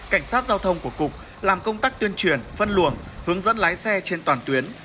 cảnh sát giao thông của cục làm công tác tuyên truyền phân luồng hướng dẫn lái xe trên toàn tuyến